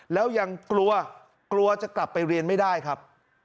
แล้วยังกลัวกลัวจะกลับไปเรียนไม่ได้ครับ